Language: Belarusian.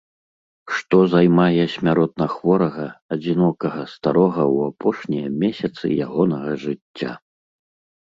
Што займае смяротна хворага, адзінокага старога ў апошнія месяцы ягонага жыцця?